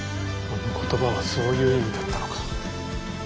あの言葉はそういう意味だったのか。